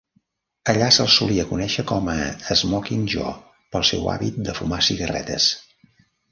Allà se'l solia conèixer com a "Smokin' Jo", pel seu hàbit de fumar cigarretes.